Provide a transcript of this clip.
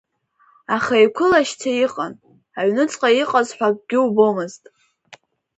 Аха еиқәылашьца иҟан, аҩныҵҟа иҟаз ҳәа акгьы убомызт.